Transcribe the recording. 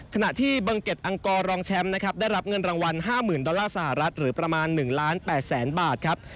ขณะที่บังเก็ตอังกอร์รองแชมป์นะครับได้รับเงินรางวัล๕๐๐๐ดอลลาร์สหรัฐหรือประมาณ๑ล้าน๘แสนบาทครับ